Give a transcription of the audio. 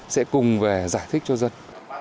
sẽ cùng về giải thích cho dân